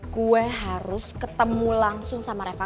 kue harus ketemu langsung sama reva